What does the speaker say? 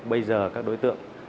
bây giờ các đối tượng